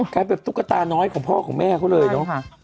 กะตุ๊กตาน้อยของพ่อของแม่เลยเนอะ